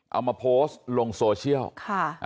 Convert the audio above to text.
เอามาโพสต์ลงโซเชียล